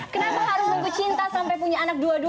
kenapa harus nunggu cinta sampai punya anak dua dua